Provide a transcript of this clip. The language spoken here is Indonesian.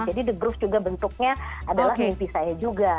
jadi the groove juga bentuknya adalah mimpi saya juga